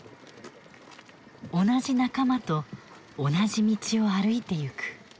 同じ仲間と同じ道を歩いてゆく。